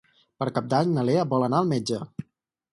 Per Cap d'Any na Lea vol anar al metge.